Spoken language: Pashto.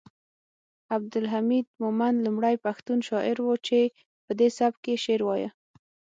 عبدالحمید مومند لومړی پښتون شاعر و چې پدې سبک یې شعر وایه